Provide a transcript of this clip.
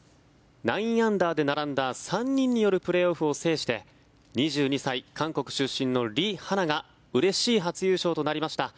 ９アンダーで並んだ３人によるプレーオフを制して２２歳、韓国出身のリ・ハナがうれしい初優勝となりました。